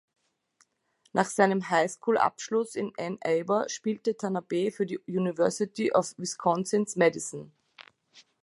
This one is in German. Nach seinem High-School-Abschluss in Ann Arbor spielte Tanabe für die University of Wisconsin–Madison.